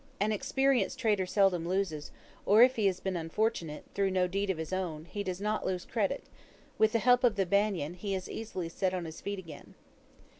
An experienced trader seldom loses, or if he has been unfortunate, through no deed of his own, he does not lose credit; with the help of the Banyan, he is easily set on his feet again.